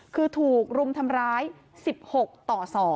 คือถูกรุมทำร้าย๑๖ต่อ๒